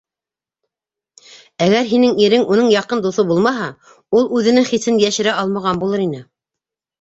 Әгәр һинең ирең уның яҡын дуҫы булмаһа, ул үҙенең хисен йәшерә алмаған булыр ине...